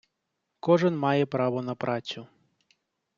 Кожен має право на працю